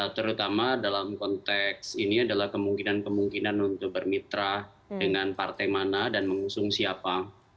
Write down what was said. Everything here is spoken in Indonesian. terutama dalam konteks ini adalah kemungkinan kemungkinan untuk bermitra dengan partai mana dan mengusung siapa